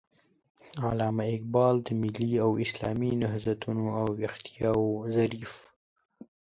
علامه اقبال د ملي او اسلامي نهضتونو او ويښتياو ظريف